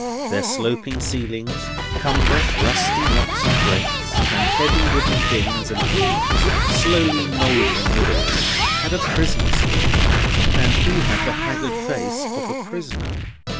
Their sloping ceilings, cumbrous rusty locks and grates, and heavy wooden bins and beams, slowly mouldering withal, had a prisonous look, and he had the haggard face of a prisoner.